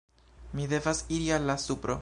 Mi devas iri al la supro